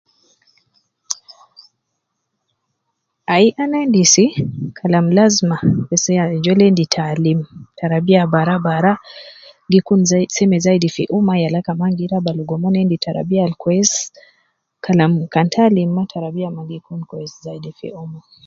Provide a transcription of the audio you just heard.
Ai ana endisi, kalam lazima bes ajol endi te alim tarabiya bara bara, gi kun zai seme zaidi fi umma, yala kaman gi raba logo mon endi tarabiya al kwesi, kalam kan ta alim ma tarabiya ma gi kun kwesi zaidi fi umma